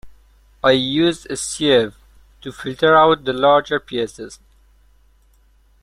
I used a sieve to filter out the larger pieces.